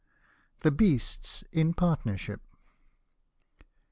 THE BEASTS IN PARTNERSHIP.